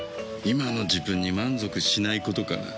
今の自分に満足しないことかな。